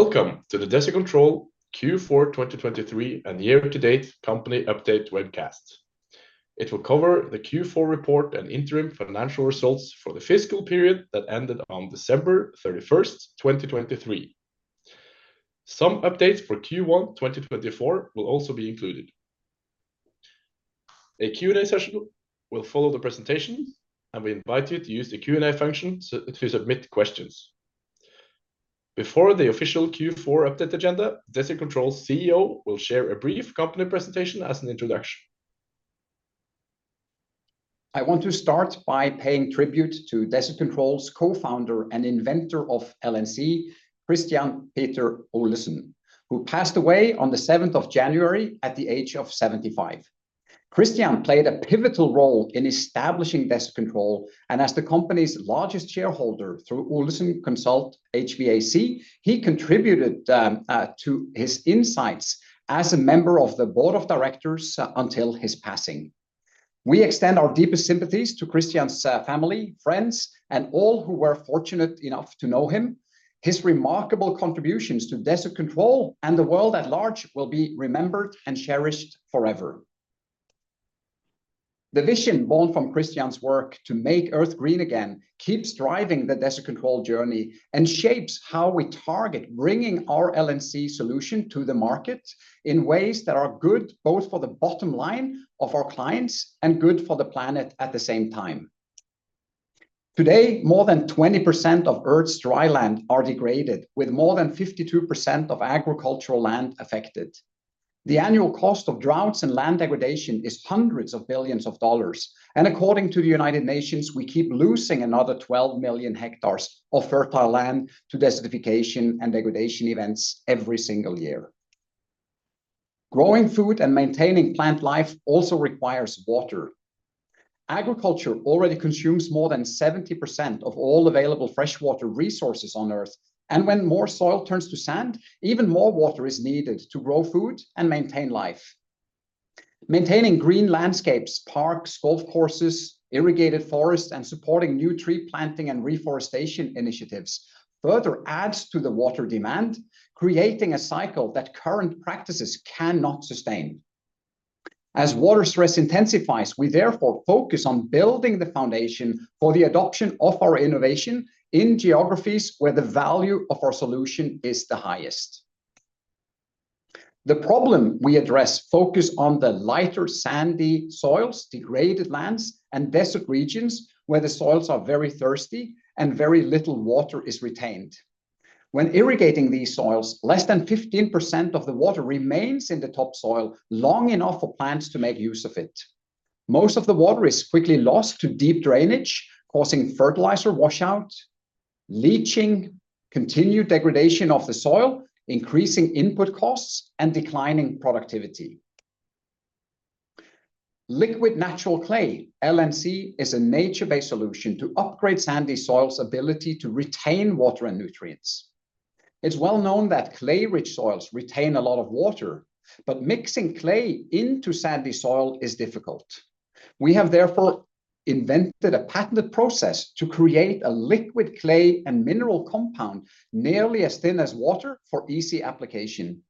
Welcome to the Desert Control Q4 2023 and year-to-date company update webcast. It will cover the Q4 report and interim financial results for the fiscal period that ended on December 31st, 2023. Some updates for Q1 2024 will also be included. A Q&A session will follow the presentation, and we invite you to use the Q&A function to submit questions. Before the official Q4 update agenda, Desert Control's CEO will share a brief company presentation as an introduction. I want to start by paying tribute to Desert Control's co-founder and inventor of LNC, Kristian P. Olesen, who passed away on the 7th of January at the age of 75. Kristian played a pivotal role in establishing Desert Control, and as the company's largest shareholder through Olesen Consult AS, he contributed to his insights as a member of the board of directors until his passing. We extend our deepest sympathies to Kristian's family, friends, and all who were fortunate enough to know him. His remarkable contributions to Desert Control and the world at large will be remembered and cherished forever. The vision born from Kristian's work to make Earth green again keeps driving the Desert Control journey and shapes how we target bringing our LNC solution to the market in ways that are good both for the bottom line of our clients and good for the planet at the same time. Today, more than 20% of Earth's dry land are degraded, with more than 52% of agricultural land affected. The annual cost of droughts and land degradation is $ hundreds of billions, and according to the United Nations, we keep losing another 12 million hectares of fertile land to desertification and degradation events every single year. Growing food and maintaining plant life also requires water. Agriculture already consumes more than 70% of all available freshwater resources on Earth, and when more soil turns to sand, even more water is needed to grow food and maintain life. Maintaining green landscapes, parks, golf courses, irrigated forests, and supporting new tree planting and reforestation initiatives further adds to the water demand, creating a cycle that current practices cannot sustain. As water stress intensifies, we therefore focus on building the foundation for the adoption of our innovation in geographies where the value of our solution is the highest. The problem we address focuses on the lighter, sandy soils, degraded lands, and desert regions where the soils are very thirsty and very little water is retained. When irrigating these soils, less than 15% of the water remains in the topsoil long enough for plants to make use of it. Most of the water is quickly lost to deep drainage, causing fertilizer washout leaching, continued degradation of the soil, increasing input costs, and declining productivity. Liquid Natural Clay, LNC, is a nature-based solution to upgrade sandy soils' ability to retain water and nutrients. It's well known that clay-rich soils retain a lot of water, but mixing clay into sandy soil is difficult. We have therefore invented a patented process to create a liquid clay and mineral compound nearly as thin as water for easy application.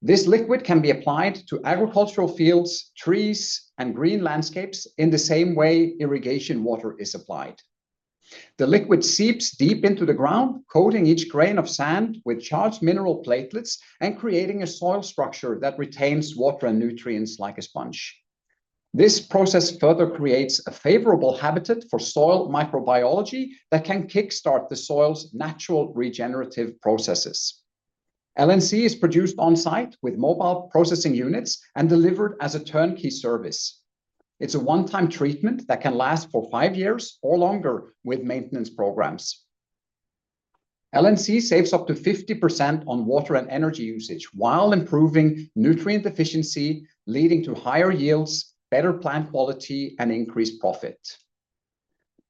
This liquid can be applied to agricultural fields, trees, and green landscapes in the same way irrigation water is applied. The liquid seeps deep into the ground, coating each grain of sand with charged mineral platelets and creating a soil structure that retains water and nutrients like a sponge. This process further creates a favorable habitat for soil microbiology that can kickstart the soil's natural regenerative processes. LNC is produced on-site with mobile processing units and delivered as a turnkey service. It's a one-time treatment that can last for five years or longer with maintenance programs. LNC saves up to 50% on water and energy usage while improving nutrient efficiency, leading to higher yields, better plant quality, and increased profit.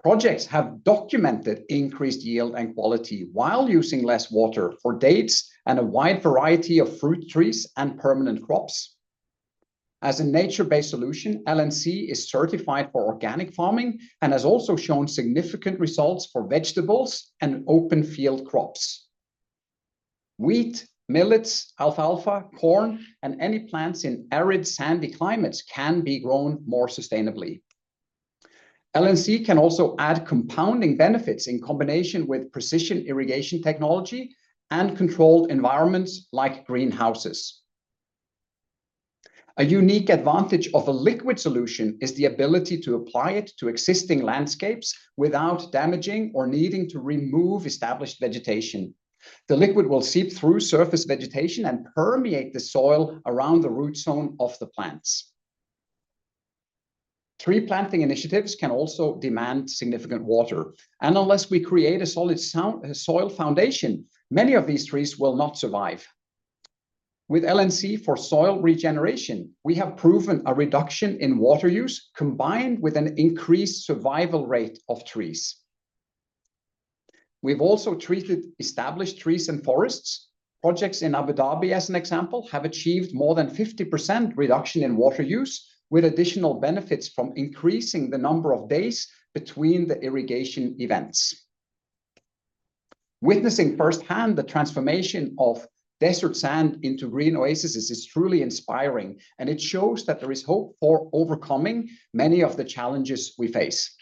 Projects have documented increased yield and quality while using less water for dates and a wide variety of fruit trees and permanent crops. As a nature-based solution, LNC is certified for organic farming and has also shown significant results for vegetables and open-field crops. Wheat, millets, alfalfa, corn, and any plants in arid, sandy climates can be grown more sustainably. LNC can also add compounding benefits in combination with precision irrigation technology and controlled environments like greenhouses. A unique advantage of a liquid solution is the ability to apply it to existing landscapes without damaging or needing to remove established vegetation. The liquid will seep through surface vegetation and permeate the soil around the root zone of the plants. Tree planting initiatives can also demand significant water, and unless we create a solid soil foundation, many of these trees will not survive. With LNC for soil regeneration, we have proven a reduction in water use combined with an increased survival rate of trees. We've also treated established trees and forests. Projects in Abu Dhabi, as an example, have achieved more than 50% reduction in water use, with additional benefits from increasing the number of days between the irrigation events. Witnessing firsthand the transformation of desert sand into green oases is truly inspiring, and it shows that there is hope for overcoming many of the challenges we face.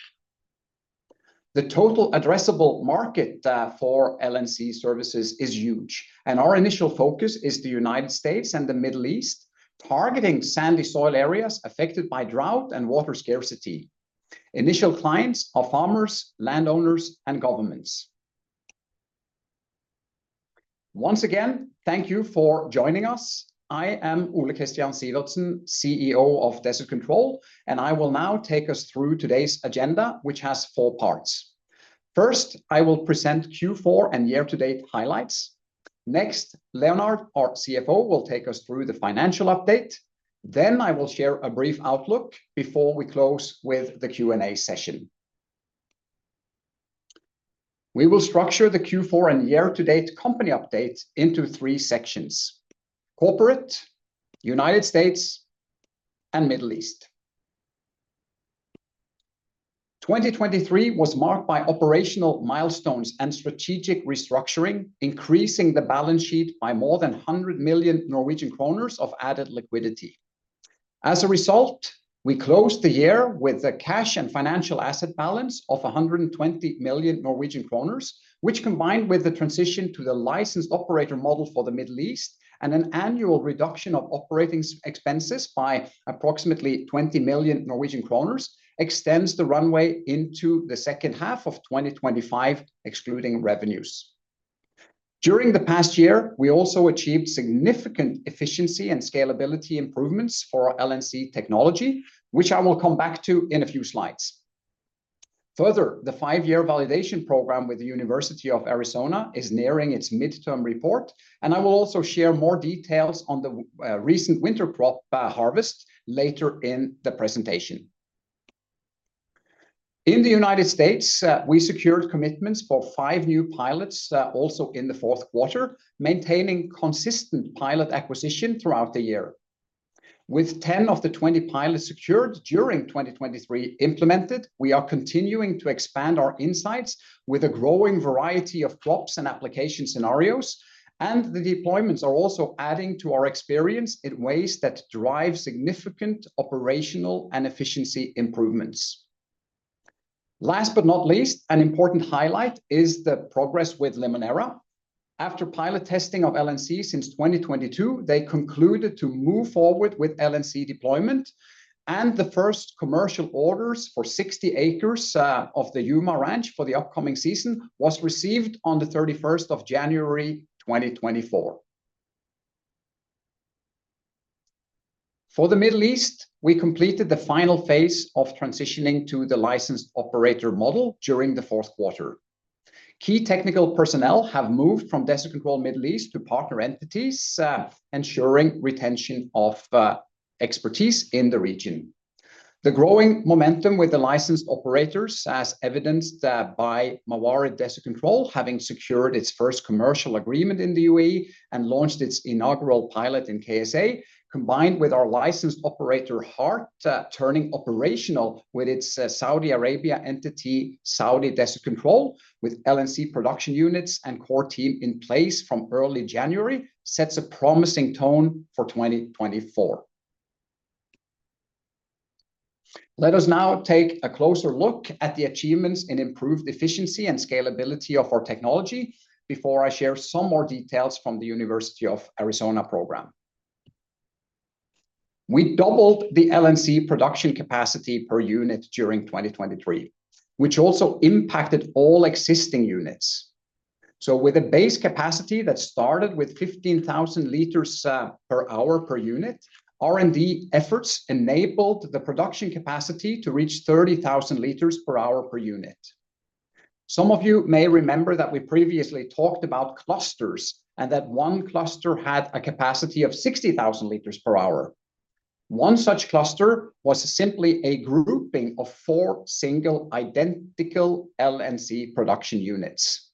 The total addressable market for LNC services is huge, and our initial focus is the United States and the Middle East, targeting sandy soil areas affected by drought and water scarcity. Initial clients are farmers, landowners, and governments. Once again, thank you for joining us. I am Ole Kristian Sivertsen, CEO of Desert Control, and I will now take us through today's agenda, which has four parts. First, I will present Q4 and year-to-date highlights. Next, Leonard, our CFO, will take us through the financial update. Then I will share a brief outlook before we close with the Q&A session. We will structure the Q4 and year-to-date company update into three sections: corporate, United States, and Middle East. 2023 was marked by operational milestones and strategic restructuring, increasing the balance sheet by more than 100 million Norwegian kroner of added liquidity. As a result, we closed the year with a cash and financial asset balance of 120 million Norwegian kroner, which, combined with the transition to the licensed operator model for the Middle East and an annual reduction of operating expenses by approximately 20 million Norwegian kroner, extends the runway into the second half of 2025, excluding revenues. During the past year, we also achieved significant efficiency and scalability improvements for our LNC technology, which I will come back to in a few slides. Further, the five-year validation program with the University of Arizona is nearing its midterm report, and I will also share more details on the recent winter crop harvest later in the presentation. In the United States, we secured commitments for five new pilots also in the fourth quarter, maintaining consistent pilot acquisition throughout the year. With 10 of the 20 pilots secured during 2023 implemented, we are continuing to expand our insights with a growing variety of crops and application scenarios, and the deployments are also adding to our experience in ways that drive significant operational and efficiency improvements. Last but not least, an important highlight is the progress with Limoneira. After pilot testing of LNC since 2022, they concluded to move forward with LNC deployment, and the first commercial orders for 60 acres of the Yuma Ranch for the upcoming season were received on the 31st of January, 2024. For the Middle East, we completed the final phase of transitioning to the licensed operator model during the fourth quarter. Key technical personnel have moved from Desert Control Middle East to partner entities, ensuring retention of expertise in the region. The growing momentum with the licensed operators, as evidenced by Mawarid Desert Control having secured its first commercial agreement in the UAE and launched its inaugural pilot in KSA, combined with our licensed operator HART turning operational with its Saudi Arabia entity, Saudi Desert Control, with LNC production units and core team in place from early January, sets a promising tone for 2024. Let us now take a closer look at the achievements in improved efficiency and scalability of our technology before I share some more details from the University of Arizona program. We doubled the LNC production capacity per unit during 2023, which also impacted all existing units. So, with a base capacity that started with 15,000 liters per hour per unit, R&D efforts enabled the production capacity to reach 30,000 liters per hour per unit. Some of you may remember that we previously talked about clusters and that one cluster had a capacity of 60,000 liters per hour. One such cluster was simply a grouping of four single identical LNC production units.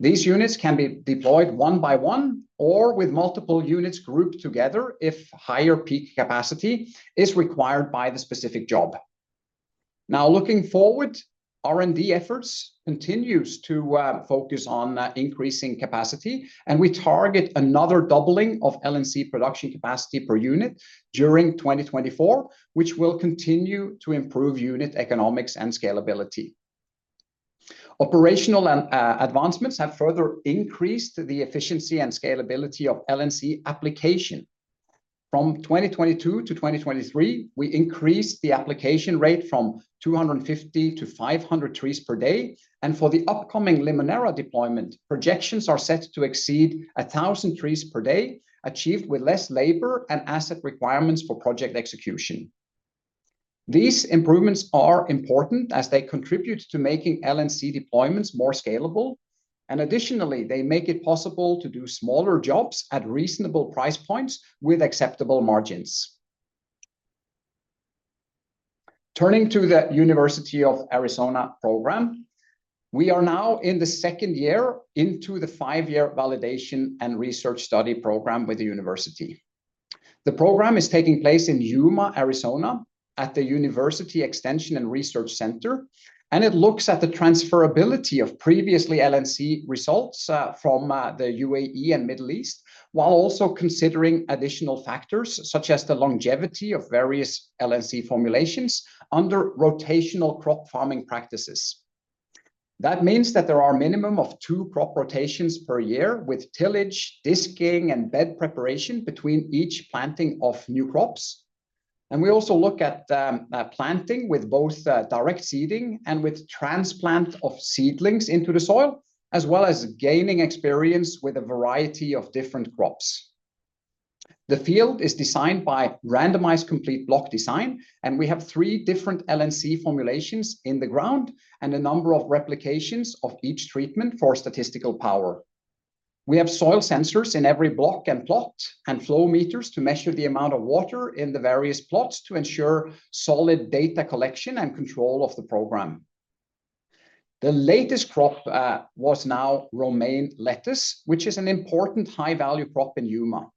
These units can be deployed one by one or with multiple units grouped together if higher peak capacity is required by the specific job. Now, looking forward, R&D efforts continue to focus on increasing capacity, and we target another doubling of LNC production capacity per unit during 2024, which will continue to improve unit economics and scalability. Operational advancements have further increased the efficiency and scalability of LNC application. From 2022-2023, we increased the application rate from 250-500 trees per day, and for the upcoming Limoneira deployment, projections are set to exceed 1,000 trees per day, achieved with less labor and asset requirements for project execution. These improvements are important as they contribute to making LNC deployments more scalable, and additionally, they make it possible to do smaller jobs at reasonable price points with acceptable margins. Turning to the University of Arizona program, we are now in the second year into the five-year validation and research study program with the university. The program is taking place in Yuma, Arizona, at the University Extension and Research Center, and it looks at the transferability of previously LNC results from the UAE and Middle East while also considering additional factors such as the longevity of various LNC formulations under rotational crop farming practices. That means that there are a minimum of two crop rotations per year with tillage, disking, and bed preparation between each planting of new crops. We also look at planting with both direct seeding and with transplant of seedlings into the soil, as well as gaining experience with a variety of different crops. The field is designed by randomized complete block design, and we have three different LNC formulations in the ground and a number of replications of each treatment for statistical power. We have soil sensors in every block and plot and flow meters to measure the amount of water in the various plots to ensure solid data collection and control of the program. The latest crop was now romaine lettuce, which is an important high-value crop in Yuma.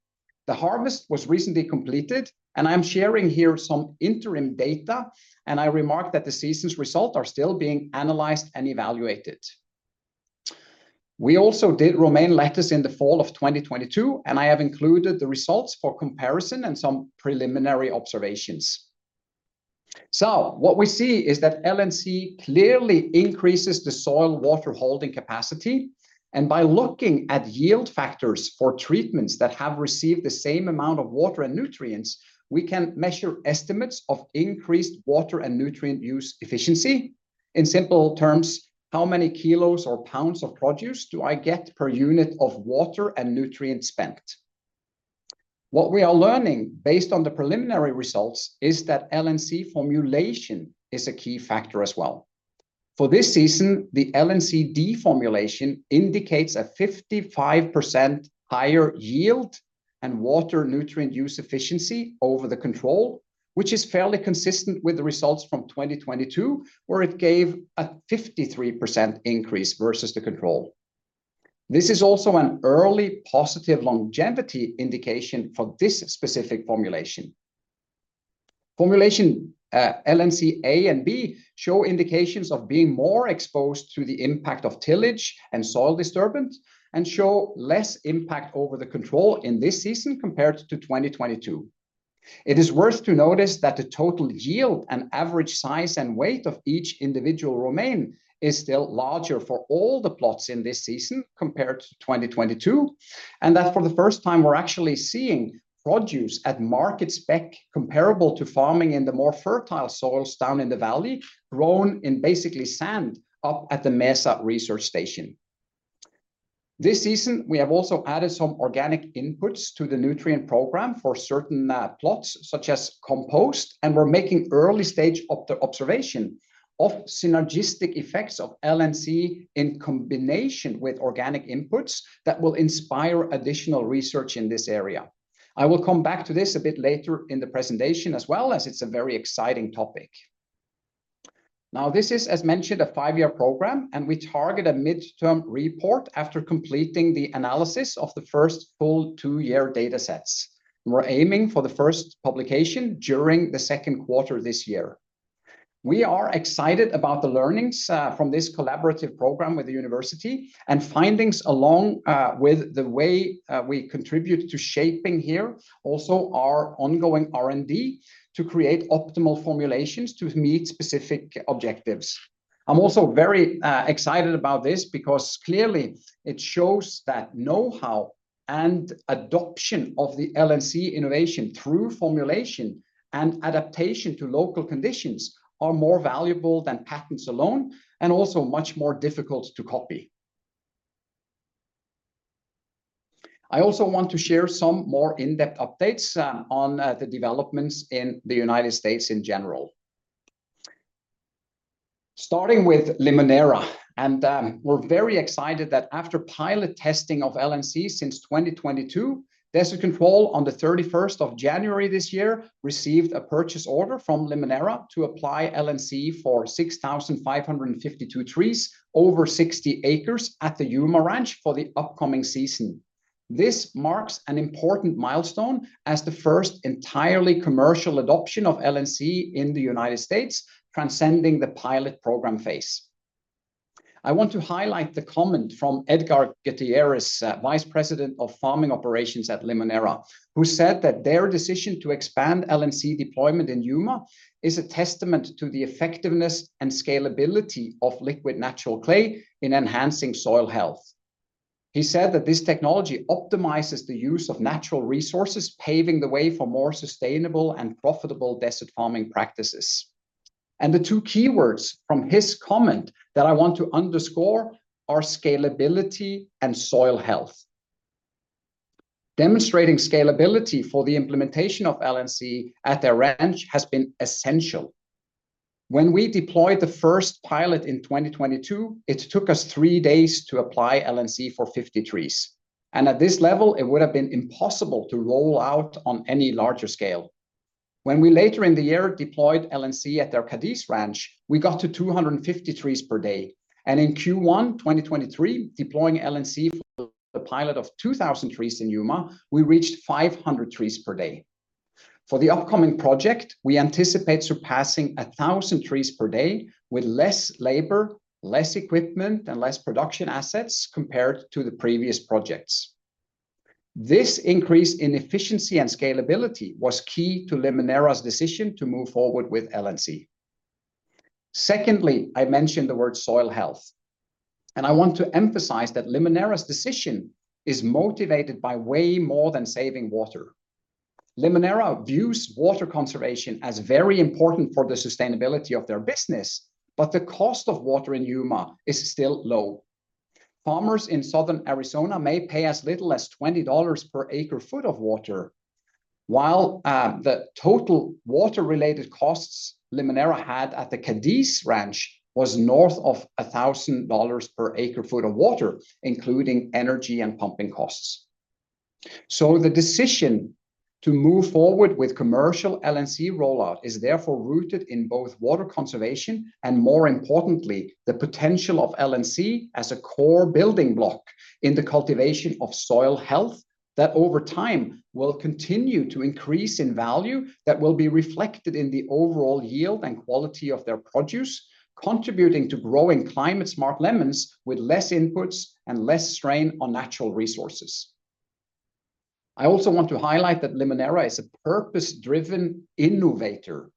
The harvest was recently completed, and I'm sharing here some interim data, and I remark that the season's results are still being analyzed and evaluated. We also did romaine lettuce in the fall of 2022, and I have included the results for comparison and some preliminary observations. So, what we see is that LNC clearly increases the soil water holding capacity, and by looking at yield factors for treatments that have received the same amount of water and nutrients, we can measure estimates of increased water and nutrient use efficiency. In simple terms, how many kilos or pounds of produce do I get per unit of water and nutrient spent? What we are learning based on the preliminary results is that LNC formulation is a key factor as well. For this season, the LNC D formulation indicates a 55% higher yield and water nutrient use efficiency over the control, which is fairly consistent with the results from 2022, where it gave a 53% increase versus the control. This is also an early positive longevity indication for this specific formulation. Formulation LNC A and B show indications of being more exposed to the impact of tillage and soil disturbance and show less impact over the control in this season compared to 2022. It is worth to notice that the total yield and average size and weight of each individual romaine is still larger for all the plots in this season compared to 2022, and that for the first time, we're actually seeing produce at market spec comparable to farming in the more fertile soils down in the valley grown in basically sand up at the Mesa Research Station. This season, we have also added some organic inputs to the nutrient program for certain plots such as compost, and we're making early-stage observation of synergistic effects of LNC in combination with organic inputs that will inspire additional research in this area. I will come back to this a bit later in the presentation as well as it's a very exciting topic. Now, this is, as mentioned, a 5-year program, and we target a midterm report after completing the analysis of the first full 2-year data sets. We're aiming for the first publication during the second quarter this year. We are excited about the learnings from this collaborative program with the university and findings along with the way we contribute to shaping here also our ongoing R&D to create optimal formulations to meet specific objectives. I'm also very excited about this because clearly it shows that know-how and adoption of the LNC innovation through formulation and adaptation to local conditions are more valuable than patents alone and also much more difficult to copy. I also want to share some more in-depth updates on the developments in the United States in general. Starting with Limoneira, we're very excited that after pilot testing of LNC since 2022, Desert Control on the 31st of January this year received a purchase order from Limoneira to apply LNC for 6,552 trees over 60 acres at the Yuma Ranch for the upcoming season. This marks an important milestone as the first entirely commercial adoption of LNC in the United States, transcending the pilot program phase. I want to highlight the comment from Edgar Gutierrez, Vice President of Farming Operations at Limoneira, who said that their decision to expand LNC deployment in Yuma is a testament to the effectiveness and scalability of Liquid Natural Clay in enhancing soil health. He said that this technology optimizes the use of natural resources, paving the way for more sustainable and profitable desert farming practices. The two keywords from his comment that I want to underscore are scalability and soil health. Demonstrating scalability for the implementation of LNC at their ranch has been essential. When we deployed the first pilot in 2022, it took us 3 days to apply LNC for 50 trees, and at this level, it would have been impossible to roll out on any larger scale. When we later in the year deployed LNC at their Cadiz Ranch, we got to 250 trees per day. In Q1 2023, deploying LNC for the pilot of 2,000 trees in Yuma, we reached 500 trees per day. For the upcoming project, we anticipate surpassing 1,000 trees per day with less labor, less equipment, and less production assets compared to the previous projects. This increase in efficiency and scalability was key to Limoneira's decision to move forward with LNC. Secondly, I mentioned the word soil health, and I want to emphasize that Limoneira's decision is motivated by way more than saving water. Limoneira views water conservation as very important for the sustainability of their business, but the cost of water in Yuma is still low. Farmers in southern Arizona may pay as little as $20 per acre-foot of water, while the total water-related costs Limoneira had at the Cadiz Ranch were north of $1,000 per acre-foot of water, including energy and pumping costs. So the decision to move forward with commercial LNC rollout is therefore rooted in both water conservation and, more importantly, the potential of LNC as a core building block in the cultivation of soil health that over time will continue to increase in value that will be reflected in the overall yield and quality of their produce, contributing to growing climate-smart lemons with less inputs and less strain on natural resources. I also want to highlight that Limoneira is a purpose-driven innovator,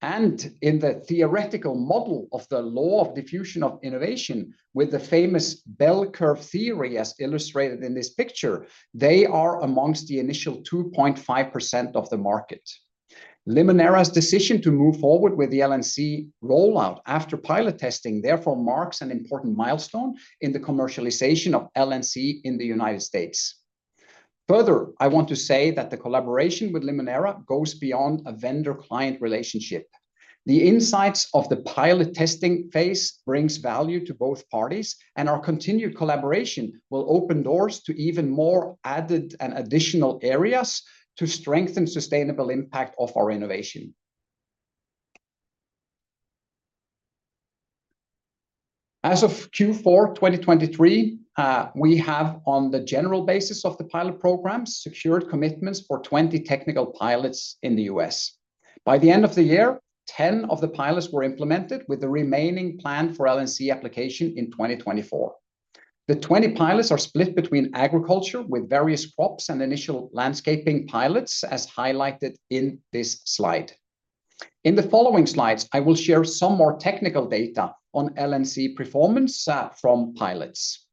and in the theoretical model of the law of diffusion of innovation with the famous bell curve theory as illustrated in this picture, they are among the initial 2.5% of the market. Limoneira's decision to move forward with the LNC rollout after pilot testing therefore marks an important milestone in the commercialization of LNC in the United States. Further, I want to say that the collaboration with Limoneira goes beyond a vendor-client relationship. The insights of the pilot testing phase bring value to both parties, and our continued collaboration will open doors to even more added and additional areas to strengthen the sustainable impact of our innovation. As of Q4, 2023, we have, on the general basis of the pilot programs, secured commitments for 20 technical pilots in the U.S. By the end of the year, 10 of the pilots were implemented, with the remaining planned for LNC application in 2024. The 20 pilots are split between agriculture with various crops and initial landscaping pilots, as highlighted in this slide. In the following slides, I will share some more technical data on LNC performance from pilots.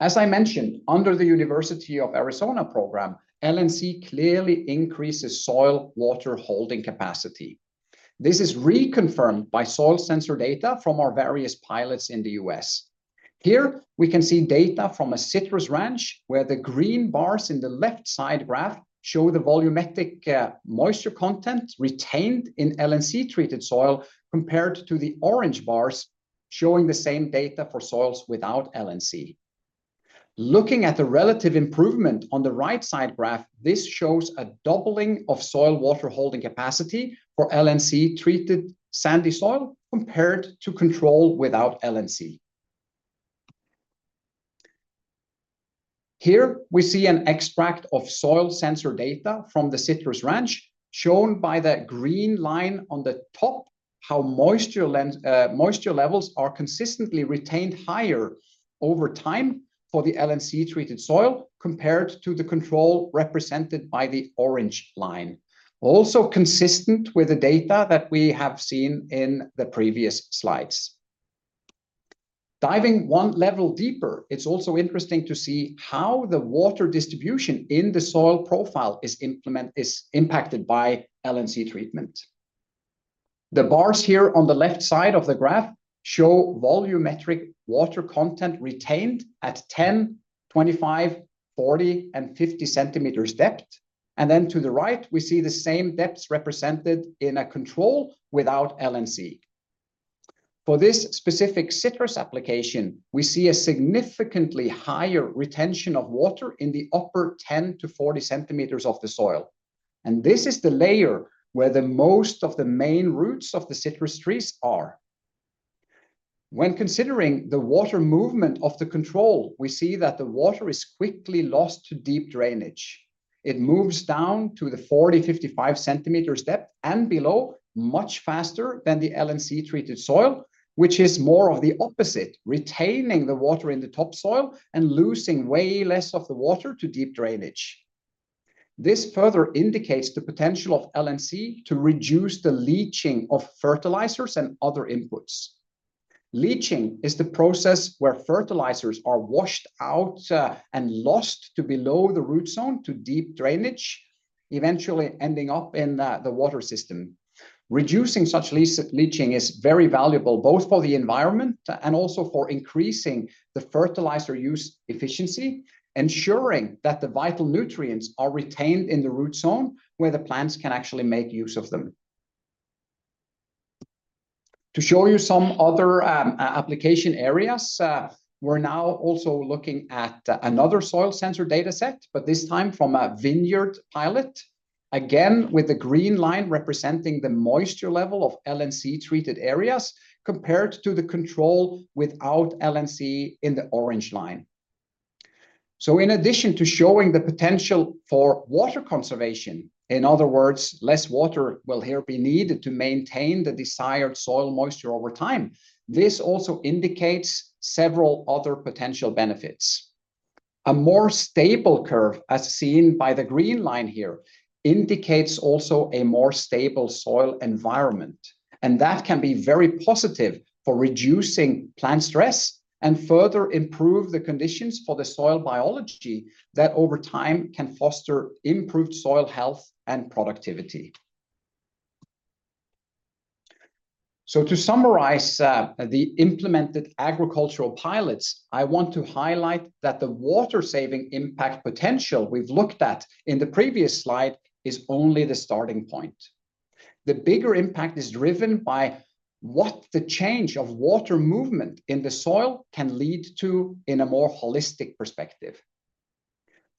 As I mentioned, under the University of Arizona program, LNC clearly increases soil water holding capacity. This is reconfirmed by soil sensor data from our various pilots in the U.S. Here, we can see data from a citrus ranch where the green bars in the left-side graph show the volumetric moisture content retained in LNC treated soil compared to the orange bars showing the same data for soils without LNC. Looking at the relative improvement on the right-side graph, this shows a doubling of soil water holding capacity for LNC treated sandy soil compared to control without LNC. Here, we see an extract of soil sensor data from the citrus ranch shown by the green line on the top, how moisture levels are consistently retained higher over time for the LNC treated soil compared to the control represented by the orange line, also consistent with the data that we have seen in the previous slides. Diving one level deeper, it's also interesting to see how the water distribution in the soil profile is impacted by LNC treatment. The bars here on the left side of the graph show volumetric water content retained at 10, 25, 40, and 50 centimeters depth. And then to the right, we see the same depths represented in a control without LNC. For this specific citrus application, we see a significantly higher retention of water in the upper 10 to 40 centimeters of the soil. And this is the layer where the most of the main roots of the citrus trees are. When considering the water movement of the control, we see that the water is quickly lost to deep drainage. It moves down to the 40-55 cm depth and below much faster than the LNC treated soil, which is more of the opposite, retaining the water in the topsoil and losing way less of the water to deep drainage. This further indicates the potential of LNC to reduce the leaching of fertilizers and other inputs. Leaching is the process where fertilizers are washed out and lost to below the root zone to deep drainage, eventually ending up in the water system. Reducing such leaching is very valuable both for the environment and also for increasing the fertilizer use efficiency, ensuring that the vital nutrients are retained in the root zone where the plants can actually make use of them. To show you some other application areas, we're now also looking at another soil sensor data set, but this time from a vineyard pilot, again with the green line representing the moisture level of LNC treated areas compared to the control without LNC in the orange line. So in addition to showing the potential for water conservation, in other words, less water will here be needed to maintain the desired soil moisture over time, this also indicates several other potential benefits. A more stable curve, as seen by the green line here, indicates also a more stable soil environment, and that can be very positive for reducing plant stress and further improve the conditions for the soil biology that over time can foster improved soil health and productivity. To summarize the implemented agricultural pilots, I want to highlight that the water-saving impact potential we've looked at in the previous slide is only the starting point. The bigger impact is driven by what the change of water movement in the soil can lead to in a more holistic perspective.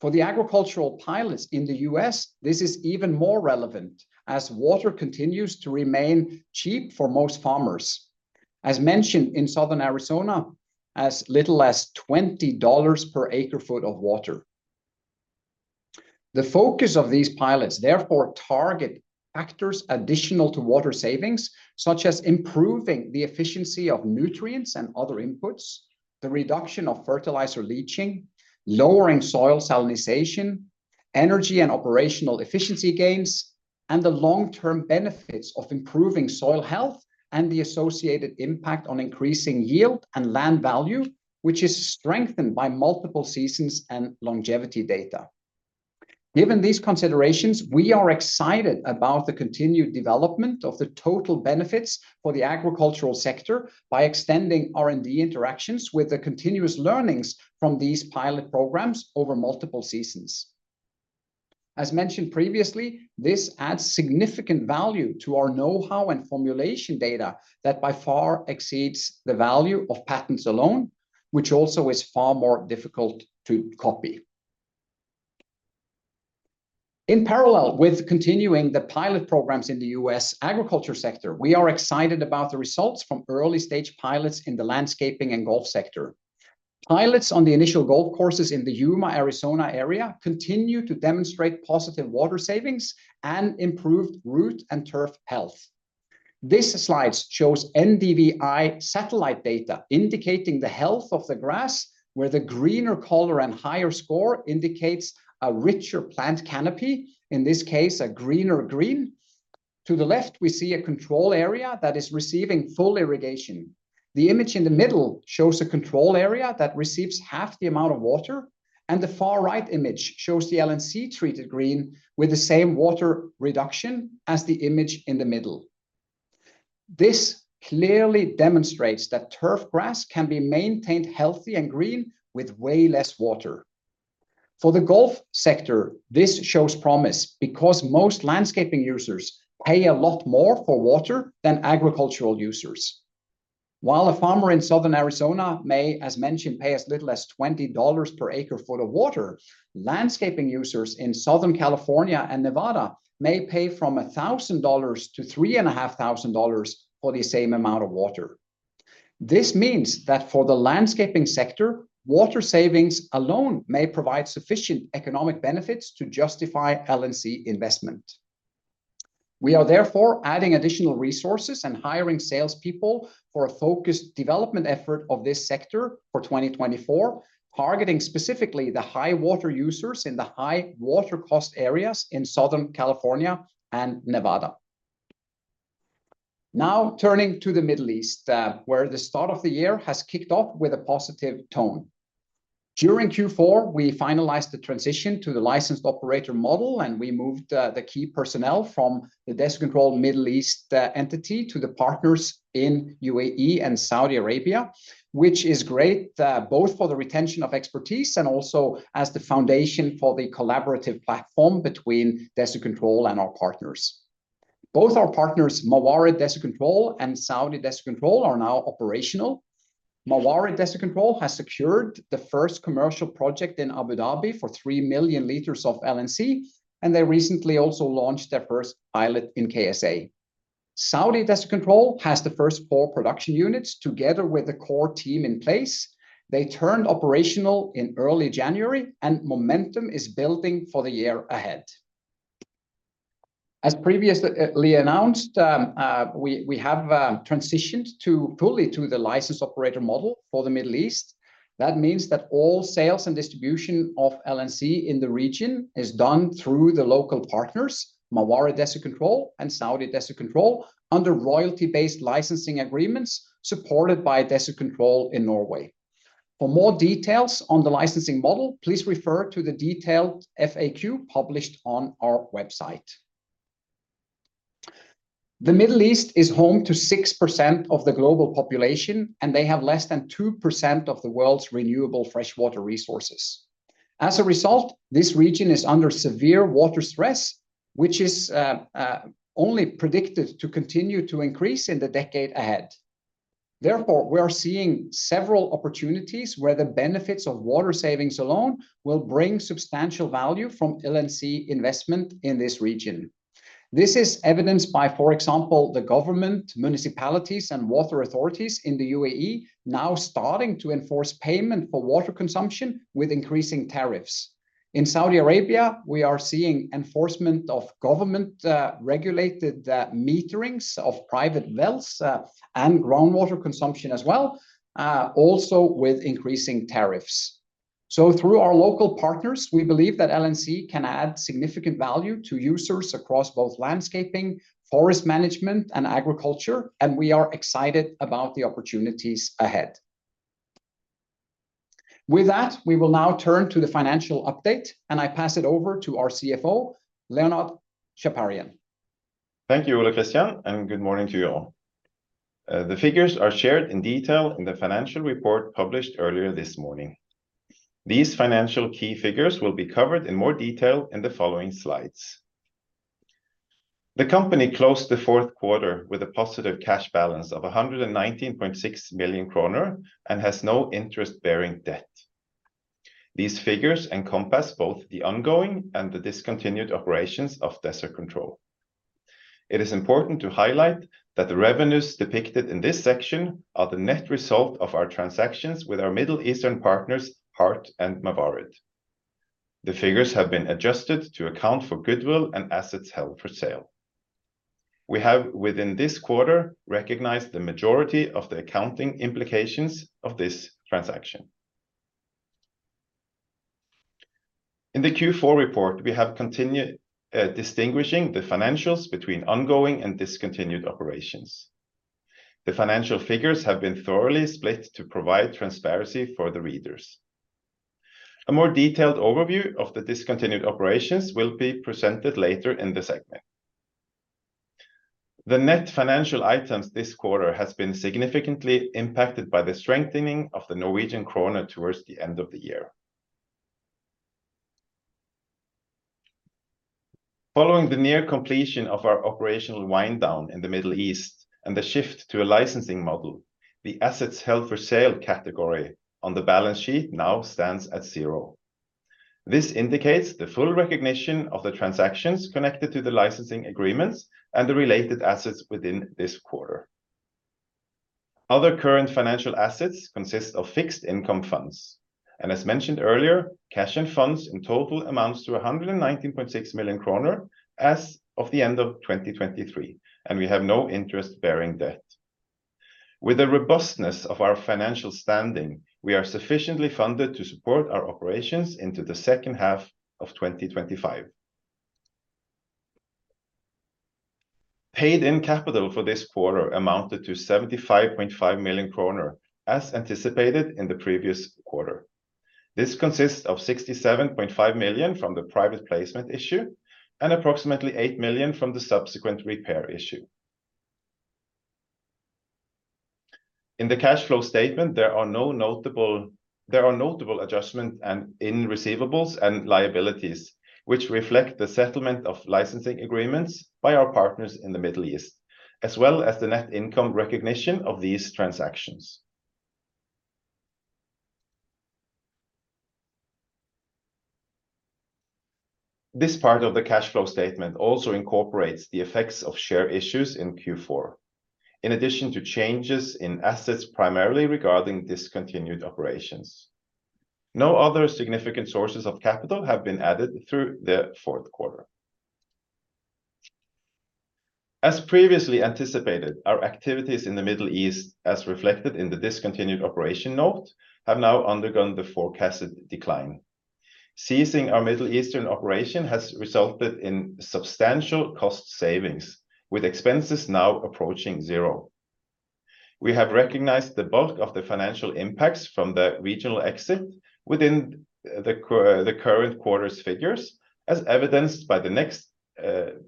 For the agricultural pilots in the U.S., this is even more relevant as water continues to remain cheap for most farmers, as mentioned in southern Arizona, as little as $20 per acre-foot of water. The focus of these pilots therefore target factors additional to water savings, such as improving the efficiency of nutrients and other inputs, the reduction of fertilizer leaching, lowering soil salinization, energy and operational efficiency gains, and the long-term benefits of improving soil health and the associated impact on increasing yield and land value, which is strengthened by multiple seasons and longevity data. Given these considerations, we are excited about the continued development of the total benefits for the agricultural sector by extending R&D interactions with the continuous learnings from these pilot programs over multiple seasons. As mentioned previously, this adds significant value to our know-how and formulation data that by far exceeds the value of patents alone, which also is far more difficult to copy. In parallel with continuing the pilot programs in the U.S. agriculture sector, we are excited about the results from early-stage pilots in the landscaping and golf sector. Pilots on the initial golf courses in the Yuma, Arizona area continue to demonstrate positive water savings and improved root and turf health. This slide shows NDVI satellite data indicating the health of the grass, where the greener color and higher score indicates a richer plant canopy, in this case, a greener green. To the left, we see a control area that is receiving full irrigation. The image in the middle shows a control area that receives half the amount of water, and the far right image shows the LNC treated green with the same water reduction as the image in the middle. This clearly demonstrates that turf grass can be maintained healthy and green with way less water. For the golf sector, this shows promise because most landscaping users pay a lot more for water than agricultural users. While a farmer in southern Arizona may, as mentioned, pay as little as $20 per acre-foot of water, landscaping users in southern California and Nevada may pay from $1,000-$3,500 for the same amount of water. This means that for the landscaping sector, water savings alone may provide sufficient economic benefits to justify LNC investment. We are therefore adding additional resources and hiring salespeople for a focused development effort of this sector for 2024, targeting specifically the high-water users in the high-water cost areas in Southern California and Nevada. Now turning to the Middle East, where the start of the year has kicked off with a positive tone. During Q4, we finalized the transition to the licensed operator model, and we moved the key personnel from the Desert Control Middle East entity to the partners in UAE and Saudi Arabia, which is great both for the retention of expertise and also as the foundation for the collaborative platform between Desert Control and our partners. Both our partners, Mawarid Desert Control and Saudi Desert Control, are now operational. Mawarid Desert Control has secured the first commercial project in Abu Dhabi for 3 million liters of LNC, and they recently also launched their first pilot in KSA. Saudi Desert Control has the first four production units together with the core team in place. They turned operational in early January, and momentum is building for the year ahead. As previously announced, we have transitioned fully to the licensed operator model for the Middle East. That means that all sales and distribution of LNC in the region is done through the local partners, Mawarid Desert Control and Saudi Desert Control, under royalty-based licensing agreements supported by Desert Control in Norway. For more details on the licensing model, please refer to the detailed FAQ published on our website. The Middle East is home to 6% of the global population, and they have less than 2% of the world's renewable freshwater resources. As a result, this region is under severe water stress, which is only predicted to continue to increase in the decade ahead. Therefore, we are seeing several opportunities where the benefits of water savings alone will bring substantial value from LNC investment in this region. This is evidenced by, for example, the government, municipalities, and water authorities in the UAE now starting to enforce payment for water consumption with increasing tariffs. In Saudi Arabia, we are seeing enforcement of government-regulated meterings of private wells and groundwater consumption as well, also with increasing tariffs. So through our local partners, we believe that LNC can add significant value to users across both landscaping, forest management, and agriculture, and we are excited about the opportunities ahead. With that, we will now turn to the financial update, and I pass it over to our CFO, Leonard Chaparian. Thank you, Ole Kristian, and good morning to you all. The figures are shared in detail in the financial report published earlier this morning. These financial key figures will be covered in more detail in the following slides. The company closed the fourth quarter with a positive cash balance of 119.6 million kroner and has no interest-bearing debt. These figures encompass both the ongoing and the discontinued operations of Desert Control. It is important to highlight that the revenues depicted in this section are the net result of our transactions with our Middle Eastern partners, HART and Mawarid. The figures have been adjusted to account for goodwill and assets held for sale. We have, within this quarter, recognized the majority of the accounting implications of this transaction. In the Q4 report, we have continued distinguishing the financials between ongoing and discontinued operations. The financial figures have been thoroughly split to provide transparency for the readers. A more detailed overview of the discontinued operations will be presented later in the segment. The net financial items this quarter have been significantly impacted by the strengthening of the Norwegian krone towards the end of the year. Following the near completion of our operational winddown in the Middle East and the shift to a licensing model, the assets held for sale category on the balance sheet now stands at zero. This indicates the full recognition of the transactions connected to the licensing agreements and the related assets within this quarter. Other current financial assets consist of fixed income funds, and as mentioned earlier, cash and funds in total amounts to 119.6 million kroner as of the end of 2023, and we have no interest-bearing debt. With the robustness of our financial standing, we are sufficiently funded to support our operations into the second half of 2025. Paid-in capital for this quarter amounted to 75.5 million kroner as anticipated in the previous quarter. This consists of 67.5 million from the private placement issue and approximately 8 million from the subsequent repair issue. In the cash flow statement, there are notable adjustments in receivables and liabilities, which reflect the settlement of licensing agreements by our partners in the Middle East, as well as the net income recognition of these transactions. This part of the cash flow statement also incorporates the effects of share issues in Q4, in addition to changes in assets primarily regarding discontinued operations. No other significant sources of capital have been added through the fourth quarter. As previously anticipated, our activities in the Middle East, as reflected in the discontinued operation note, have now undergone the forecasted decline. Ceasing our Middle Eastern operation has resulted in substantial cost savings, with expenses now approaching zero. We have recognized the bulk of the financial impacts from the regional exit within the current quarter's figures, as evidenced by the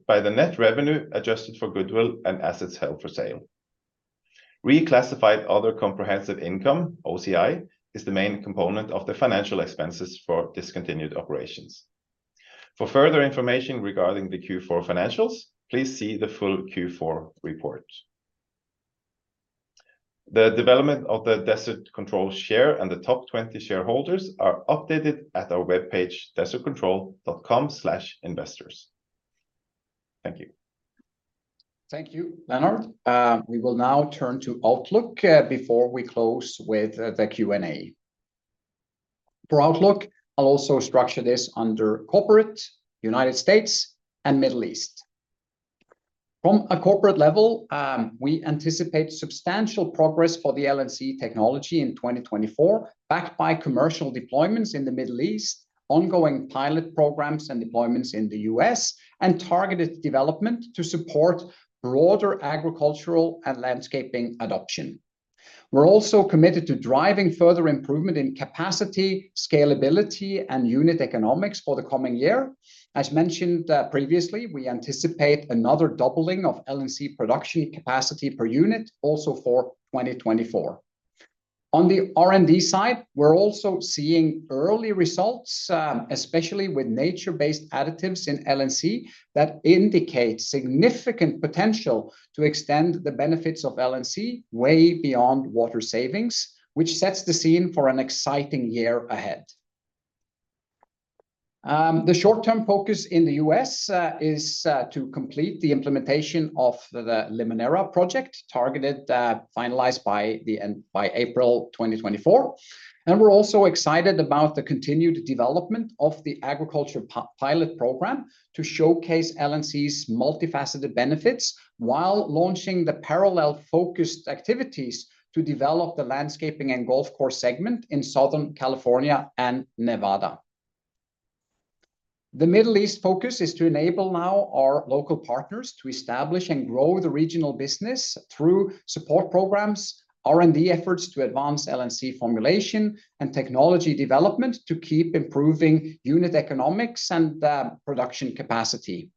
net revenue adjusted for goodwill and assets held for sale. Reclassified Other Comprehensive Income, OCI, is the main component of the financial expenses for discontinued operations. For further information regarding the Q4 financials, please see the full Q4 report. The development of the Desert Control share and the top 20 shareholders are updated at our webpage, desertcontrol.com/investors. Thank you. Thank you, Leonard. We will now turn to Outlook before we close with the Q&A. For Outlook, I'll also structure this under Corporate, United States, and Middle East. From a corporate level, we anticipate substantial progress for the LNC technology in 2024, backed by commercial deployments in the Middle East, ongoing pilot programs and deployments in the U.S., and targeted development to support broader agricultural and landscaping adoption. We're also committed to driving further improvement in capacity, scalability, and unit economics for the coming year. As mentioned previously, we anticipate another doubling of LNC production capacity per unit, also for 2024. On the R&D side, we're also seeing early results, especially with nature-based additives in LNC, that indicate significant potential to extend the benefits of LNC way beyond water savings, which sets the scene for an exciting year ahead. The short-term focus in the U.S. is to complete the implementation of the Limoneira project, finalized by April 2024. We're also excited about the continued development of the agriculture pilot program to showcase LNC's multifaceted benefits while launching the parallel focused activities to develop the landscaping and golf course segment in southern California and Nevada. The Middle East focus is to enable now our local partners to establish and grow the regional business through support programs, R&D efforts to advance LNC formulation, and technology development to keep improving unit economics and production capacity.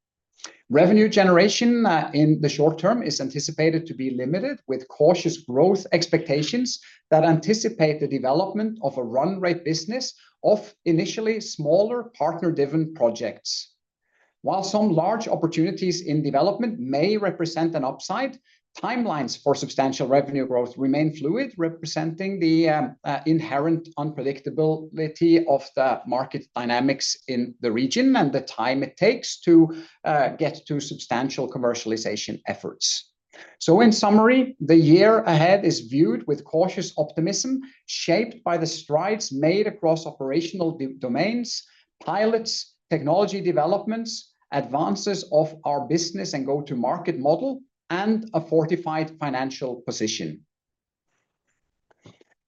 Revenue generation in the short term is anticipated to be limited, with cautious growth expectations that anticipate the development of a run-rate business of initially smaller partner-driven projects. While some large opportunities in development may represent an upside, timelines for substantial revenue growth remain fluid, representing the inherent unpredictability of the market dynamics in the region and the time it takes to get to substantial commercialization efforts. So in summary, the year ahead is viewed with cautious optimism, shaped by the strides made across operational domains, pilots, technology developments, advances of our business and go-to-market model, and a fortified financial position.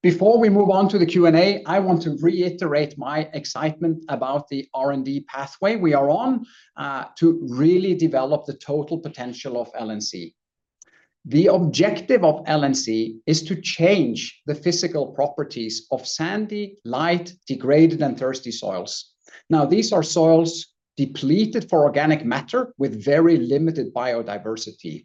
Before we move on to the Q&A, I want to reiterate my excitement about the R&D pathway we are on to really develop the total potential of LNC. The objective of LNC is to change the physical properties of sandy, light, degraded, and thirsty soils. Now, these are soils depleted for organic matter with very limited biodiversity.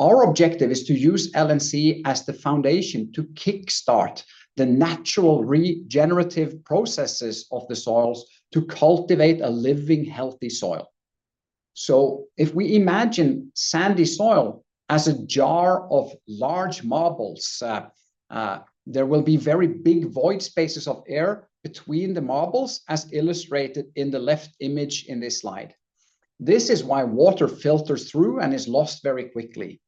Our objective is to use LNC as the foundation to kickstart the natural regenerative processes of the soils to cultivate a living, healthy soil. So if we imagine sandy soil as a jar of large marbles, there will be very big void spaces of air between the marbles, as illustrated in the left image in this slide. This is why water filters through and is lost very quickly.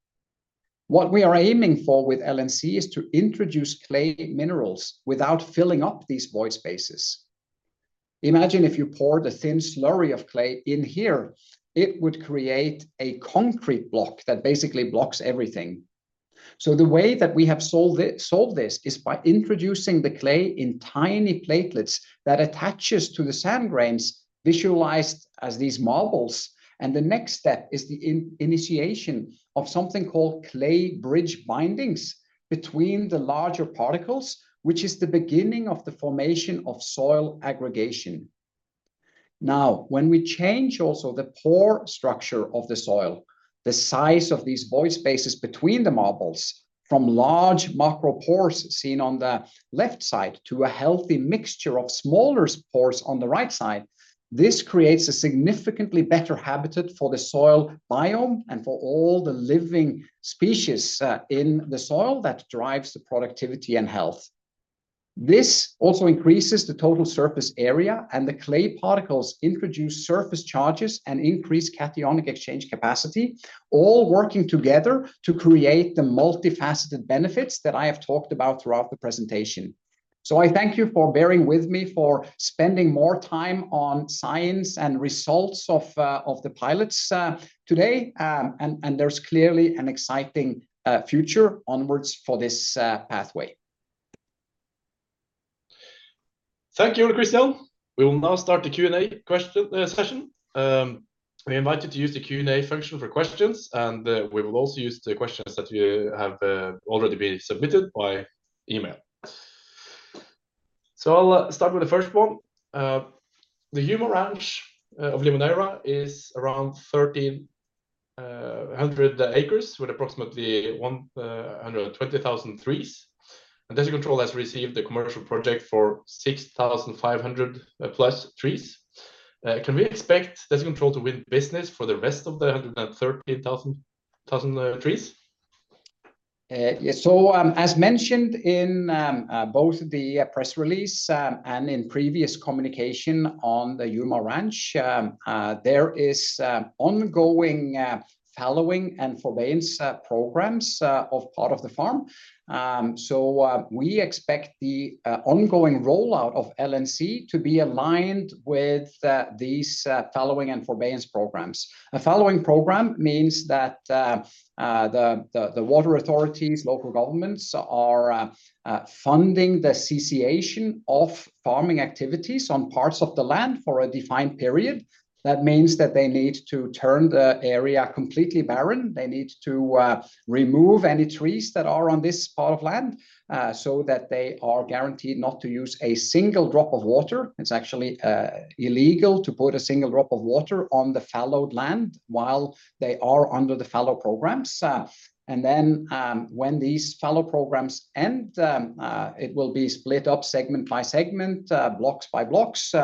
What we are aiming for with LNC is to introduce clay minerals without filling up these void spaces. Imagine if you poured a thin slurry of clay in here, it would create a concrete block that basically blocks everything. So the way that we have solved this is by introducing the clay in tiny platelets that attaches to the sand grains visualized as these marbles. The next step is the initiation of something called clay bridge bindings between the larger particles, which is the beginning of the formation of soil aggregation. Now, when we change also the pore structure of the soil, the size of these void spaces between the marbles, from large macro pores seen on the left side to a healthy mixture of smaller pores on the right side, this creates a significantly better habitat for the soil biome and for all the living species in the soil that drives the productivity and health. This also increases the total surface area, and the clay particles introduce surface charges and increase cationic exchange capacity, all working together to create the multifaceted benefits that I have talked about throughout the presentation. I thank you for bearing with me for spending more time on science and results of the pilots today. There's clearly an exciting future onwards for this pathway. Thank you, Ole Kristian. We will now start the Q&A session. We invite you to use the Q&A function for questions, and we will also use the questions that you have already been submitted by email. So I'll start with the first one. The Yuma ranch of Limoneira is around 1,300 acres with approximately 120,000 trees. And Desert Control has received a commercial project for 6,500+ trees. Can we expect Desert Control to win business for the rest of the 113,000 trees? Yes. So as mentioned in both the press release and in previous communication on the Cadiz Ranch, there is ongoing fallowing and forbearance programs of part of the farm. So we expect the ongoing rollout of LNC to be aligned with these fallowing and forbearance programs. A fallowing program means that the water authorities, local governments, are funding the cessation of farming activities on parts of the land for a defined period. That means that they need to turn the area completely barren. They need to remove any trees that are on this part of land so that they are guaranteed not to use a single drop of water. It's actually illegal to put a single drop of water on the fallowed land while they are under the fallow programs. And then when these fallow programs end, it will be split up segment by segment, blocks by blocks.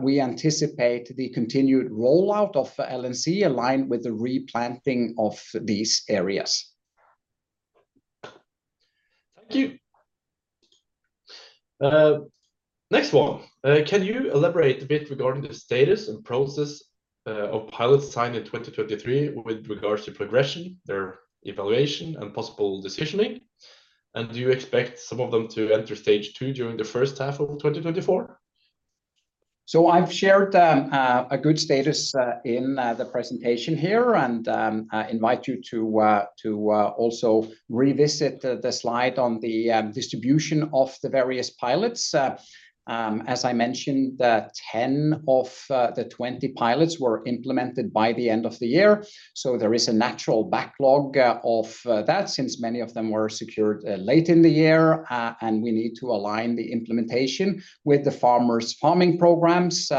We anticipate the continued rollout of LNC aligned with the replanting of these areas. Thank you. Next one. Can you elaborate a bit regarding the status and process of pilots signed in 2023 with regards to progression, their evaluation, and possible decisioning? And do you expect some of them to enter stage two during the first half of 2024? So I've shared a good status in the presentation here and invite you to also revisit the slide on the distribution of the various pilots. As I mentioned, 10 of the 20 pilots were implemented by the end of the year. So there is a natural backlog of that since many of them were secured late in the year. And we need to align the implementation with the farmers' farming programs,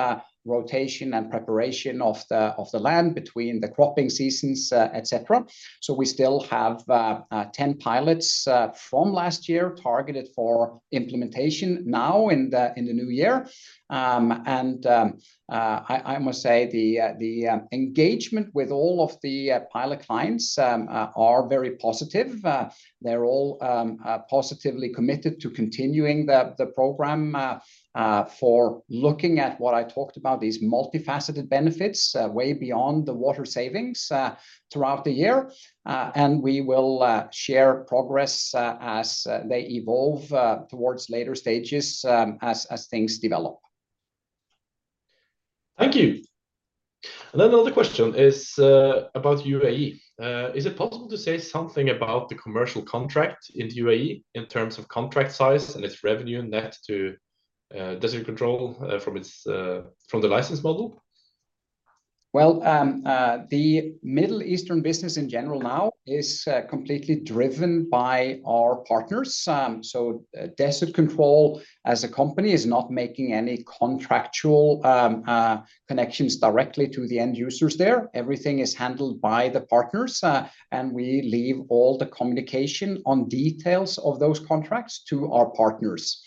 rotation, and preparation of the land between the cropping seasons, etc. So we still have 10 pilots from last year targeted for implementation now in the new year. And I must say the engagement with all of the pilot clients are very positive. They're all positively committed to continuing the program for looking at what I talked about, these multifaceted benefits way beyond the water savings throughout the year. We will share progress as they evolve towards later stages as things develop. Thank you. And then the other question is about UAE. Is it possible to say something about the commercial contract in the UAE in terms of contract size and its revenue net to Desert Control from the license model? Well, the Middle Eastern business in general now is completely driven by our partners. So Desert Control as a company is not making any contractual connections directly to the end users there. Everything is handled by the partners. And we leave all the communication on details of those contracts to our partners.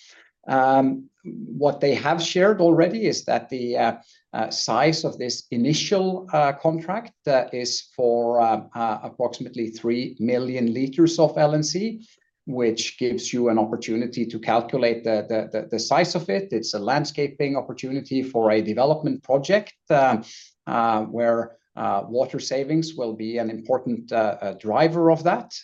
What they have shared already is that the size of this initial contract is for approximately three million liters of LNC, which gives you an opportunity to calculate the size of it. It's a landscaping opportunity for a development project where water savings will be an important driver of that.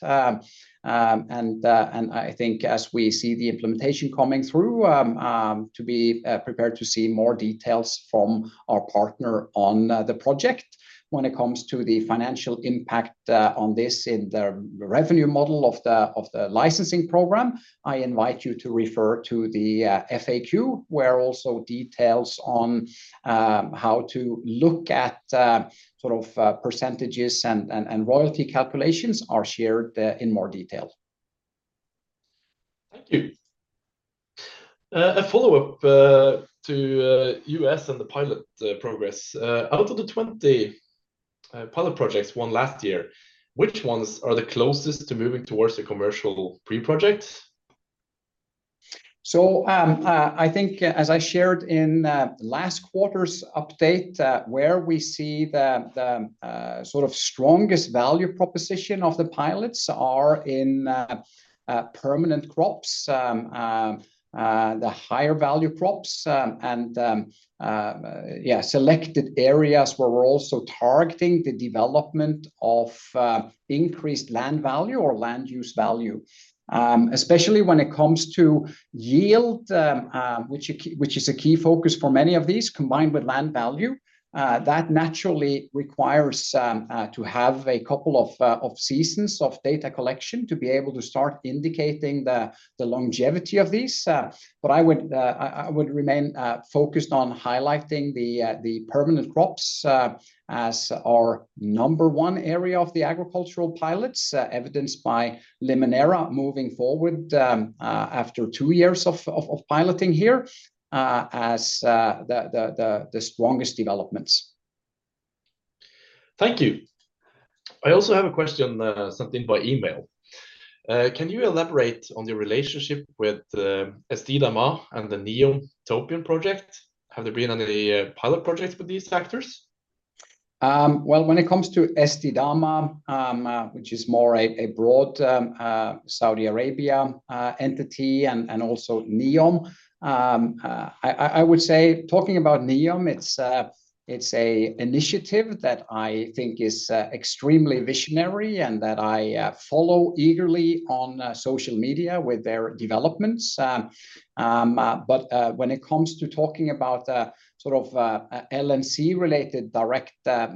And I think as we see the implementation coming through, to be prepared to see more details from our partner on the project. When it comes to the financial impact on this in the revenue model of the licensing program, I invite you to refer to the FAQ, where also details on how to look at sort of percentages and royalty calculations are shared in more detail. Thank you. A follow-up to U.S. and the pilot progress. Out of the 20 pilot projects won last year, which ones are the closest to moving towards a commercial pre-project? So I think as I shared in last quarter's update, where we see the sort of strongest value proposition of the pilots are in permanent crops, the higher value crops, and yeah, selected areas where we're also targeting the development of increased land value or land use value, especially when it comes to yield, which is a key focus for many of these, combined with land value. That naturally requires to have a couple of seasons of data collection to be able to start indicating the longevity of these. But I would remain focused on highlighting the permanent crops as our number 1 area of the agricultural pilots, evidenced by Limoneira moving forward after two years of piloting here as the strongest developments. Thank you. I also have a question, something by email. Can you elaborate on your relationship with Estidamah and the NEOM project? Have there been any pilot projects with these actors? Well, when it comes to Estidamah, which is more a broad Saudi Arabia entity and also NEOM, I would say talking about NEOM, it's an initiative that I think is extremely visionary and that I follow eagerly on social media with their developments. But when it comes to talking about sort of LNC-related direct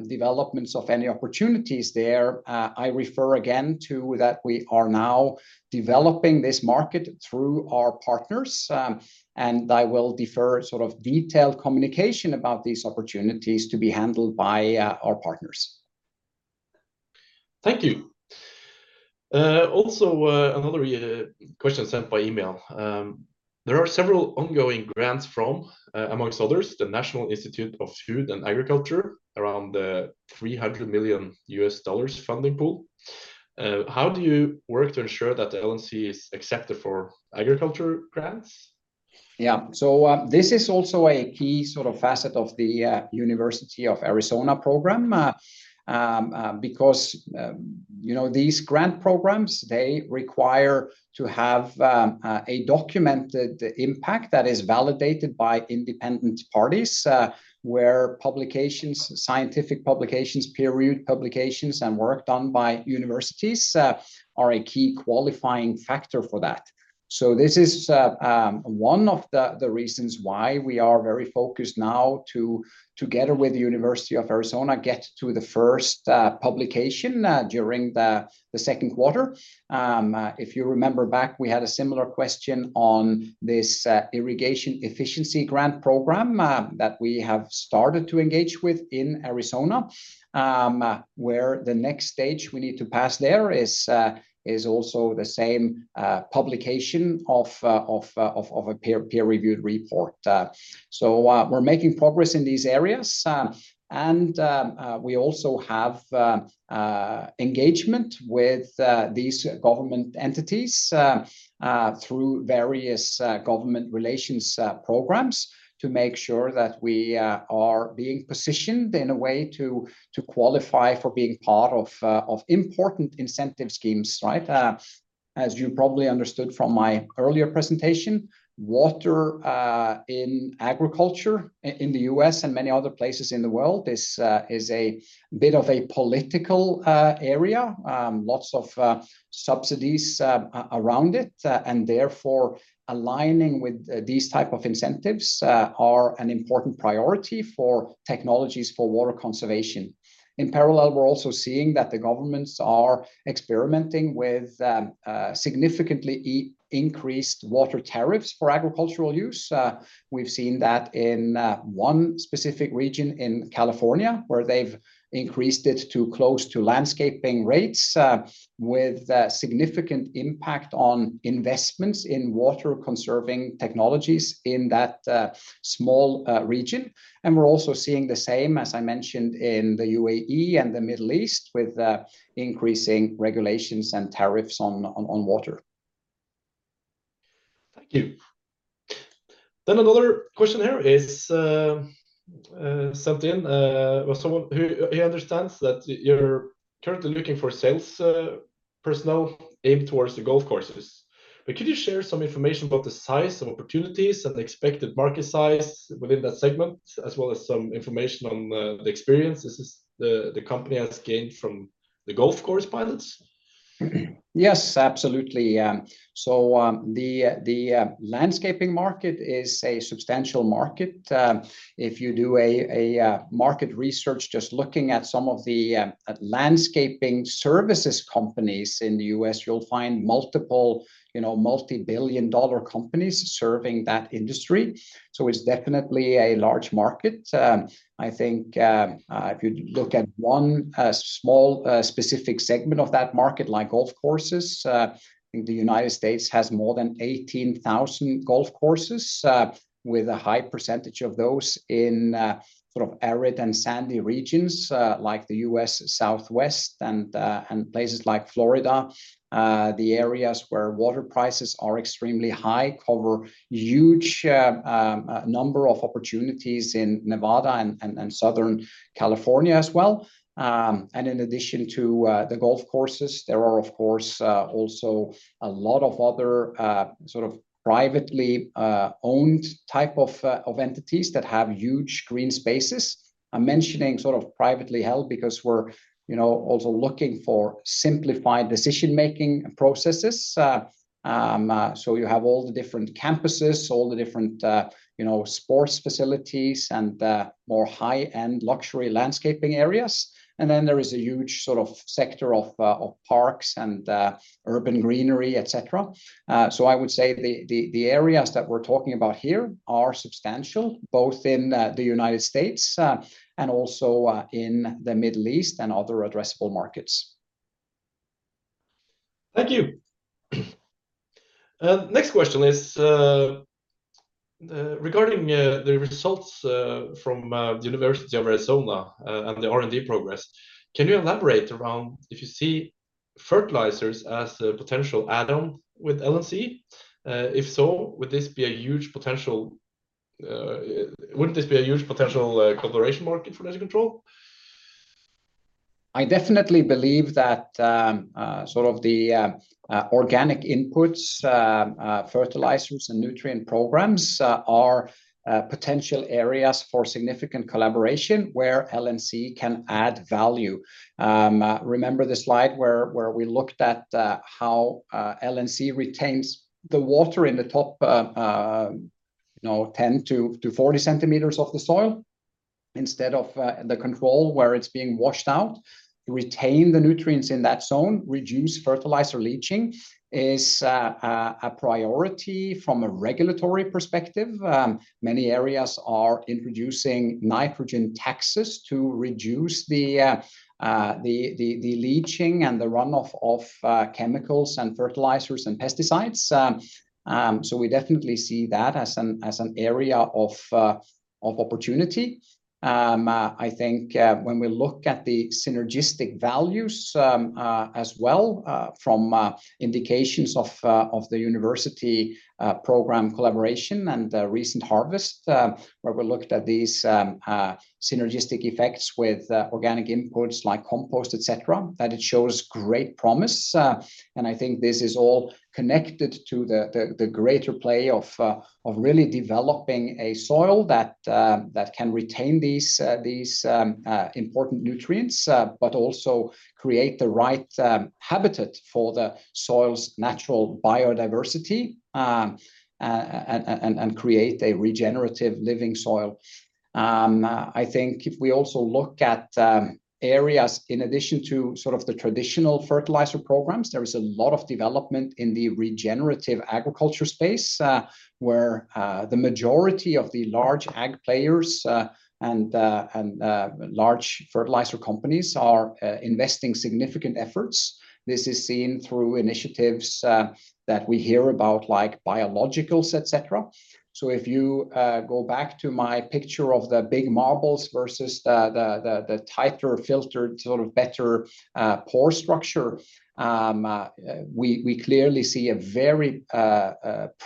developments of any opportunities there, I refer again to that we are now developing this market through our partners. And I will defer sort of detailed communication about these opportunities to be handled by our partners. Thank you. Also, another question sent by email. There are several ongoing grants from, among others, the National Institute of Food and Agriculture around the $300 million funding pool. How do you work to ensure that LNC is accepted for agriculture grants? Yeah. So this is also a key sort of facet of the University of Arizona program because these grant programs, they require to have a documented impact that is validated by independent parties where publications, scientific publications, peer publications, and work done by universities are a key qualifying factor for that. So this is one of the reasons why we are very focused now to, together with the University of Arizona, get to the first publication during the second quarter. If you remember back, we had a similar question on this irrigation efficiency grant program that we have started to engage with in Arizona, where the next stage we need to pass there is also the same publication of a peer-reviewed report. So we're making progress in these areas. We also have engagement with these government entities through various government relations programs to make sure that we are being positioned in a way to qualify for being part of important incentive schemes, right? As you probably understood from my earlier presentation, water in agriculture in the U.S. and many other places in the world is a bit of a political area, lots of subsidies around it. And therefore, aligning with these types of incentives are an important priority for technologies for water conservation. In parallel, we're also seeing that the governments are experimenting with significantly increased water tariffs for agricultural use. We've seen that in one specific region in California where they've increased it to close to landscaping rates with significant impact on investments in water-conserving technologies in that small region. We're also seeing the same, as I mentioned, in the UAE and the Middle East with increasing regulations and tariffs on water. Thank you. Then another question here is sent in. Well, someone who understands that you're currently looking for sales personnel aimed towards the golf courses. But could you share some information about the size of opportunities and expected market size within that segment, as well as some information on the experiences the company has gained from the golf course pilots? Yes, absolutely. So the landscaping market is a substantial market. If you do a market research just looking at some of the landscaping services companies in the U.S., you'll find multiple multi-billion dollar companies serving that industry. So it's definitely a large market. I think if you look at one small specific segment of that market, like golf courses, I think the United States has more than 18,000 golf courses, with a high percentage of those in sort of arid and sandy regions like the U.S. Southwest and places like Florida. The areas where water prices are extremely high cover a huge number of opportunities in Nevada and Southern California as well. And in addition to the golf courses, there are, of course, also a lot of other sort of privately owned type of entities that have huge green spaces. I'm mentioning sort of privately held because we're also looking for simplified decision-making processes. So you have all the different campuses, all the different sports facilities, and more high-end luxury landscaping areas. And then there is a huge sort of sector of parks and urban greenery, etc. So I would say the areas that we're talking about here are substantial, both in the United States and also in the Middle East and other addressable markets. Thank you. Next question is regarding the results from the University of Arizona and the R&D progress. Can you elaborate around if you see fertilizers as a potential add-on with LNC? If so, would this be a huge potential wouldn't this be a huge potential collaboration market for Desert Control? I definitely believe that sort of the organic inputs, fertilizers, and nutrient programs are potential areas for significant collaboration where LNC can add value. Remember the slide where we looked at how LNC retains the water in the top 10-40 centimeters of the soil instead of the control where it's being washed out. Retain the nutrients in that zone, reduce fertilizer leaching is a priority from a regulatory perspective. Many areas are introducing nitrogen taxes to reduce the leaching and the runoff of chemicals and fertilizers and pesticides. So we definitely see that as an area of opportunity. I think when we look at the synergistic values as well from indications of the university program collaboration and the recent harvest where we looked at these synergistic effects with organic inputs like compost, etc., that it shows great promise. I think this is all connected to the greater play of really developing a soil that can retain these important nutrients, but also create the right habitat for the soil's natural biodiversity and create a regenerative living soil. I think if we also look at areas in addition to sort of the traditional fertilizer programs, there is a lot of development in the regenerative agriculture space where the majority of the large ag players and large fertilizer companies are investing significant efforts. This is seen through initiatives that we hear about like biologicals, etc. If you go back to my picture of the big marbles versus the tighter filtered sort of better pore structure, we clearly see a very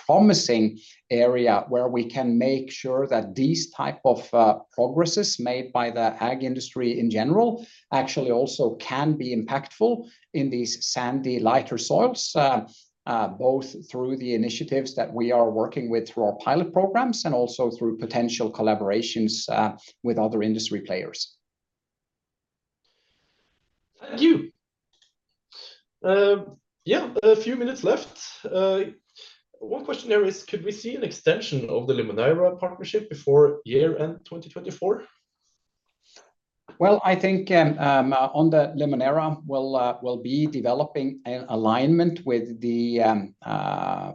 promising area where we can make sure that these types of progresses made by the ag industry in general actually also can be impactful in these sandy, lighter soils, both through the initiatives that we are working with through our pilot programs and also through potential collaborations with other industry players. Thank you. Yeah, a few minutes left. One question here is, could we see an extension of the Limoneira partnership before year-end 2024? Well, I think on the Limoneira, we'll be developing an alignment with the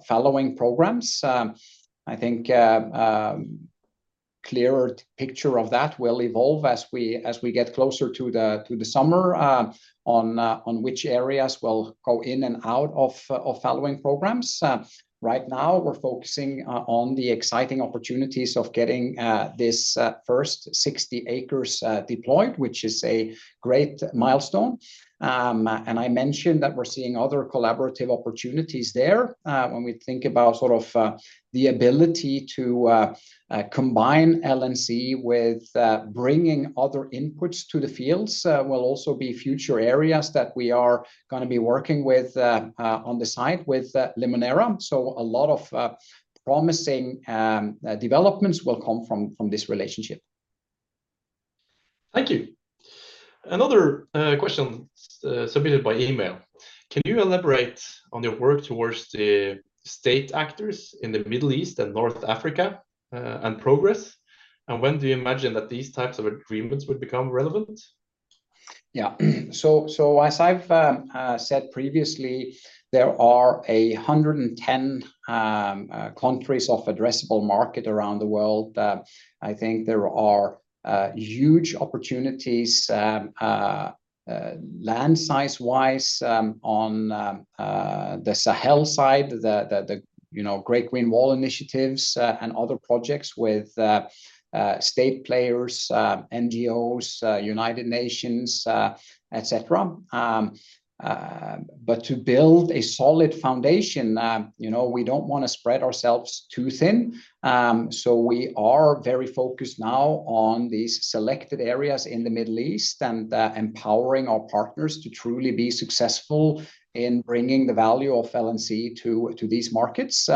fallowing programs. I think a clearer picture of that will evolve as we get closer to the summer on which areas will go in and out of fallowing programs. Right now, we're focusing on the exciting opportunities of getting this first 60 acres deployed, which is a great milestone. And I mentioned that we're seeing other collaborative opportunities there. When we think about sort of the ability to combine LNC with bringing other inputs to the fields, will also be future areas that we are going to be working with on the site with Limoneira. So a lot of promising developments will come from this relationship. Thank you. Another question submitted by email. Can you elaborate on your work towards the state actors in the Middle East and North Africa and progress? And when do you imagine that these types of agreements would become relevant? Yeah. So as I've said previously, there are 110 countries of addressable market around the world. I think there are huge opportunities land-size-wise on the Sahel side, the Great Green Wall initiatives, and other projects with state players, NGOs, United Nations, etc. But to build a solid foundation, we don't want to spread ourselves too thin. So we are very focused now on these selected areas in the Middle East and empowering our partners to truly be successful in bringing the value of LNC to these markets,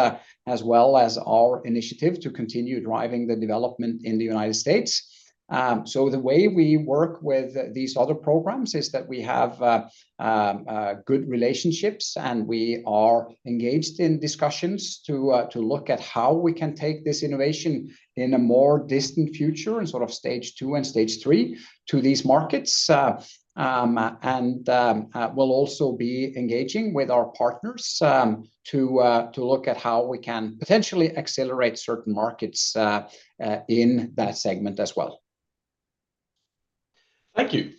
as well as our initiative to continue driving the development in the United States. So the way we work with these other programs is that we have good relationships and we are engaged in discussions to look at how we can take this innovation in a more distant future and sort of stage two and stage three to these markets. We'll also be engaging with our partners to look at how we can potentially accelerate certain markets in that segment as well. Thank you.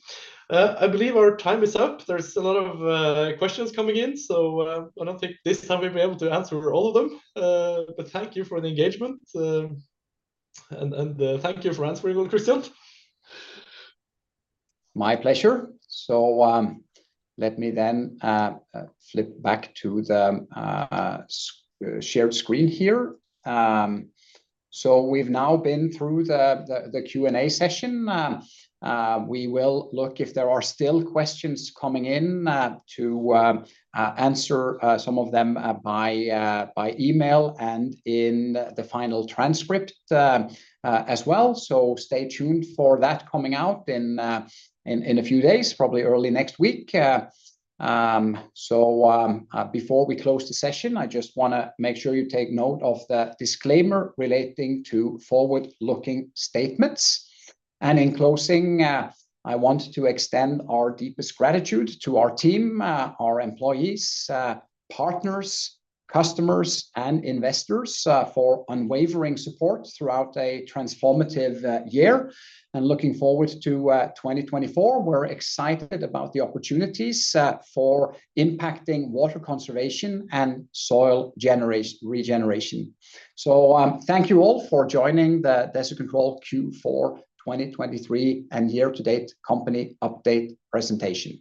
I believe our time is up. There's a lot of questions coming in. I don't think this time we'll be able to answer all of them. Thank you for the engagement. Thank you for answering all, Kristian. My pleasure. So let me then flip back to the shared screen here. So we've now been through the Q&A session. We will look if there are still questions coming in to answer some of them by email and in the final transcript as well. So stay tuned for that coming out in a few days, probably early next week. So before we close the session, I just want to make sure you take note of the disclaimer relating to forward-looking statements. And in closing, I want to extend our deepest gratitude to our team, our employees, partners, customers, and investors for unwavering support throughout a transformative year and looking forward to 2024. We're excited about the opportunities for impacting water conservation and soil regeneration. So thank you all for joining the Desert Control Q4 2023 and year-to-date company update presentation.